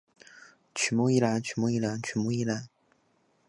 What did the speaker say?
曲目一览曲目一览曲目一览